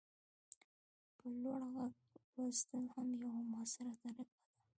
په لوړ غږ لوستل هم یوه مؤثره طریقه ده.